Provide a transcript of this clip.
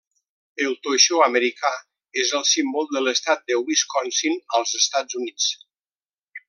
El toixó americà és el símbol de l'estat de Wisconsin, als Estats Units.